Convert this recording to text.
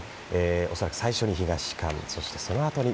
恐らく最初に東館、そのあとに